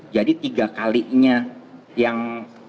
jadi tiga kali nya yang